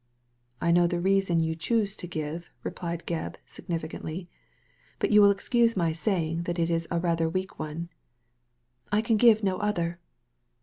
"I know the reason you choose to give," replied Gebb, significantly, " but you will excuse my saying that it is rather a weak one." " I can give no other."